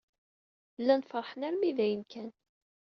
Llan feṛḥen armi d ayen kan.